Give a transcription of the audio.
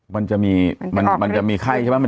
มันจะมีไข้ใช่ไหม